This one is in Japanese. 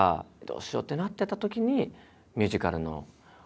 どうしようってなってたときにミュージカルのお話頂いて。